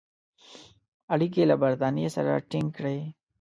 اړیکي له برټانیې سره تینګ کړي.